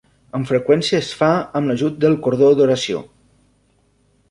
Amb freqüència es fa amb l'ajut del cordó d'oració.